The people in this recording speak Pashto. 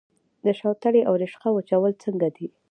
د شوتلې او رشقه وچول څنګه دي؟